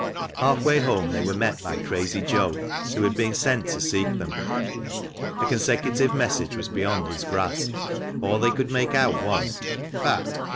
Half way home they were met by Crazy Joe, who had been sent to seek them. A consecutive message was beyond his grasp. All they could make out was, "Back!